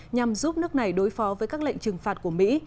nhằm giúp nước này đối phó với các lệnh trừng phạt của mỹ